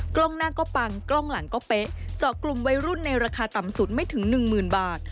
กล้องหน้าก็ปังกล้องหลังก็เป๊ะเจาะกลุ่มวัยรุ่นในราคาต่ำสุดไม่ถึงหนึ่งหมื่นบาท